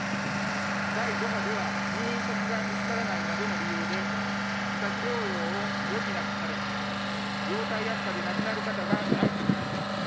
第５波では、入院先が見つからないなどの理由で、自宅療養を余儀なくされ、容体悪化で亡くなる方が相次ぎました。